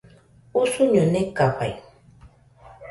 Usuño nekafaɨ